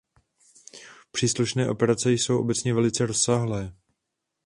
Příslušné operace jsou obecně velice rozsáhlé.